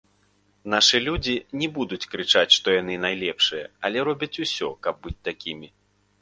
Нашы людзі не будуць крычаць, што яны найлепшыя, але робяць усё, каб быць такімі.